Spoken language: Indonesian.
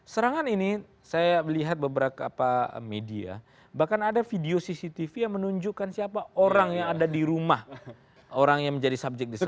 serangan ini saya melihat beberapa media bahkan ada video cctv yang menunjukkan siapa orang yang ada di rumah orang yang menjadi subjek di sini